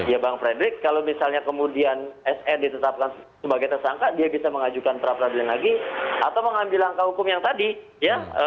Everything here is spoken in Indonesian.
ya bang frederick kalau misalnya kemudian sn ditetapkan sebagai tersangka dia bisa mengajukan perapradilan lagi atau mengambil langkah hukum yang tadi ya